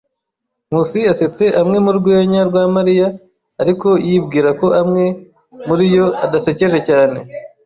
Nkusi yasetse amwe mu rwenya rwa Mariya, ariko yibwira ko amwe muri yo adasekeje cyane.